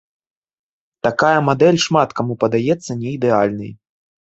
Такая мадэль шмат каму падаецца не ідэальнай.